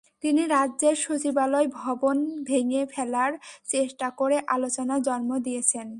তিনি রাজ্যের সচিবালয় ভবন ভেঙে ফেলার চেষ্টা করে আলোচনার জন্ম দিয়েছেন।